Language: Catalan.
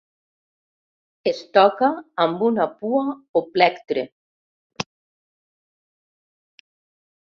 Es toca amb una pua o plectre.